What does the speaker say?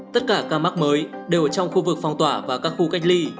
tất cả ca mắc mới đều ở trong khu vực phong tỏa và các khu cách ly